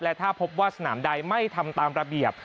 และถ้าพบว่าสนามใดไม่ทำตามระเบียบ